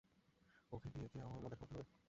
ওকে নিয়ে কি আমার মাথা ঘামাতে হবে?